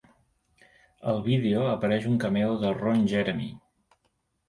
Al vídeo apareix un cameo de Ron Jeremy.